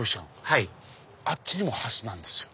はいあっちにもハスなんですよ